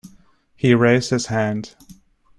He raised his hand.